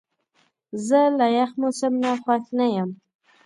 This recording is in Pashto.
زه له یخ موسم نه خوښ نه یم.